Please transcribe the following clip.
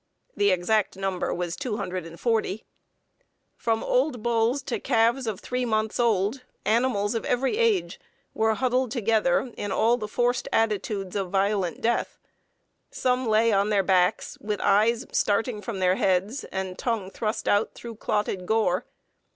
[The exact number was 240.] From old bulls to calves of three months' old, animals of every age were huddled together in all the forced attitudes of violent death. Some lay on their backs, with eyes starting from their heads and tongue thrust out through clotted gore.